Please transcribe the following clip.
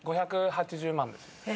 ５８０万です。